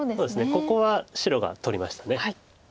ここは白が取りました。